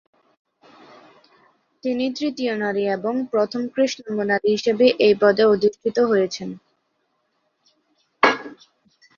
তিনি তৃতীয় নারী এবং প্রথম কৃষ্ণাঙ্গ নারী হিসেবে এই পদে অধিষ্ঠিত হয়েছেন।